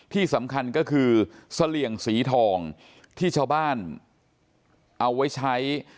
ที่สำคัญก็คือเสลี่ยงสีทองที่ชาวบ้านเอาไว้ใช้